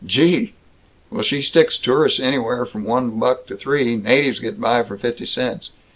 Gee! Well, she sticks tourists anywheres from one buck to three. Natives get by for fifty cents.